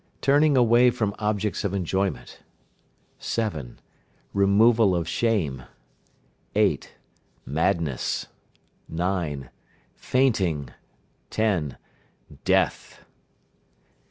Turning away from objects of enjoyment. 7. Removal of shame. 8. Madness. 9. Fainting. 10. Death.